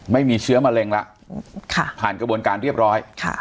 ไม่มีเชื้อมะเร็งแล้วผ่านกระบวนการเรียบร้อย